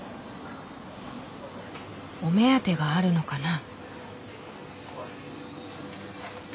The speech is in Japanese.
お目当てがあるのかな？